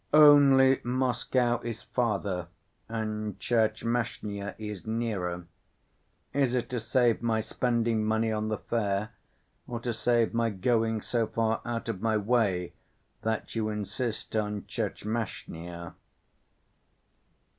"Only Moscow is farther and Tchermashnya is nearer. Is it to save my spending money on the fare, or to save my going so far out of my way, that you insist on Tchermashnya?"